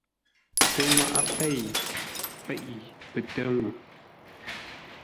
Pə nŋwaʼa pei peʼé pətə́ ŋʉʉ.